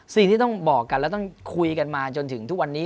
สิ่งที่ต้องบอกกันถึงถึงทุกวันนี้